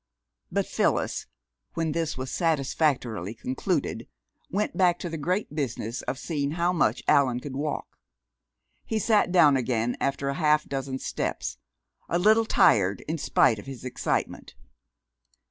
But Phyllis, when this was satisfactorily concluded, went back to the great business of seeing how much Allan could walk. He sat down again after a half dozen steps, a little tired in spite of his excitement.